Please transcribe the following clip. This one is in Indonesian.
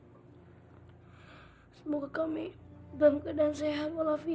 hai semoga kami bangka dan sehat walafiat